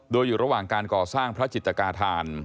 โดยอยู่ระหว่างการก่อสร้างพระจิตกาธาน